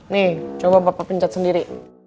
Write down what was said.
nih coba papa pincat sendiri